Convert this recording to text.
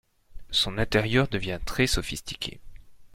Son intérieur devient très sophistiqué.